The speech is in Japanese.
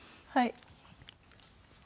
はい。